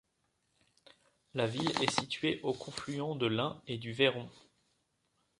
La ville est située au confluent de l'Ain et du Veyron.